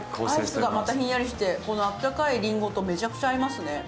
アイスがまたひんやりしてあったかいりんごとめちゃくちゃ合いますね。